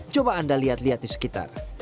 coba anda lihat lihat di sekitar